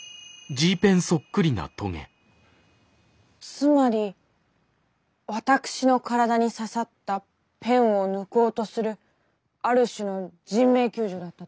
つまり私の体に刺さったペンを抜こうとするある種の人命救助だったと？